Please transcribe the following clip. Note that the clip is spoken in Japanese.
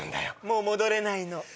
もう戻れないの。